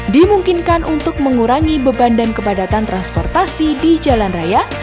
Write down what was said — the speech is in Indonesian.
dimungkinkan untuk mengurangi beban dan kepadatan transportasi di jalan raya